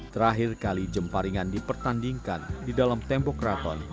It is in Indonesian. terakhir kali jempa ringan dipertandingkan di dalam tembok kraton